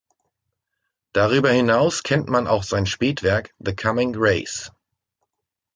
Darüber hinaus kennt man auch sein Spätwerk "The Coming Race".